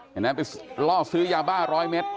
อย่างนั้นไปลอกซื้อยาบ้าร้อยเม็ด